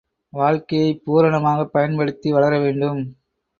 வாழ்க்கையைப் பூரணமாகப் பயன்படுத்தி வளர வேண்டும்.